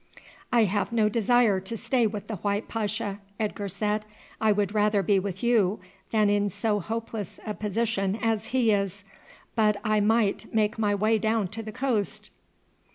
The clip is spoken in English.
"I have no desire to stay with the white pasha," Edgar said; "I would rather be with you than in so hopeless a position as he is; but I might make my way down to the coast?"